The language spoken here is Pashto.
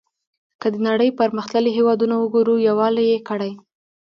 که د نړۍ پرمختللي هېوادونه وګورو یووالی یې کړی.